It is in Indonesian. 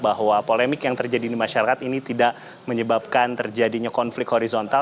bahwa polemik yang terjadi di masyarakat ini tidak menyebabkan terjadinya konflik horizontal